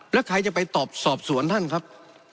แล้วใครจะไปตอบสอบสวนท่านครับ